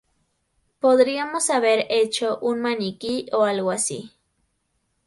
Podríamos haber hecho un maniquí o algo así.